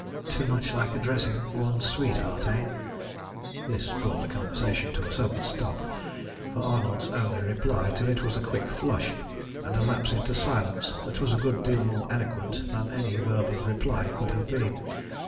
"Too much like addressing one's sweetheart, eh?" This brought the conversation to a sudden stop, for Arnold's only reply to it was a quick flush, and a lapse into silence that was a good deal more eloquent than any verbal reply could have been.